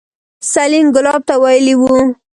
سليم ګلاب ته ويلي وو.